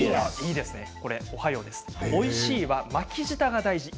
おいしいは巻き舌が大事。